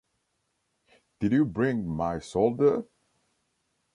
Did you bring my solder?